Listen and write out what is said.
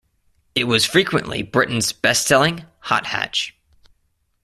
It was frequently Britain's best-selling "hot hatch".